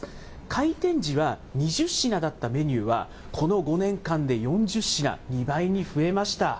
開店時は２０品だったメニューは、この５年間で４０品、２倍に増えました。